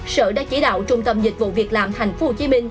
sở đã chỉ đạo trung tâm dịch vụ việc làm tp hcm